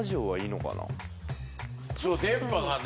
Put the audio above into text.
そう電波がね。